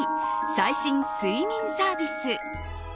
最新睡眠サービス。